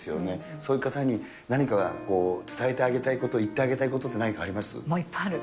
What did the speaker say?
そういう方に何か伝えてあげたいこと、言ってあげたいことって、もういっぱいある。